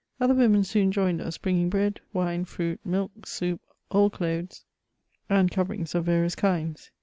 Other women soon joined us, bringing bread, wine, fruity milk, soup, old clothes, and cover " CHATBAUBRIAin). S63 lugs of various kinds.